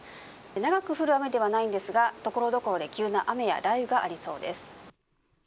長く降る雨ではないんですがところどころで急な雨や雷雨がありそうです。